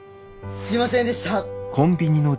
すいませんでした。